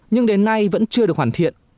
nhưng đến nay vẫn chưa được hoàn thiện